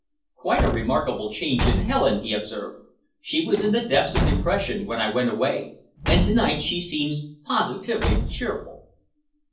"Quite a remarkable change in Helen," he observed. "She was in the depths of depression when I went away, and to night she seems positively cheerful."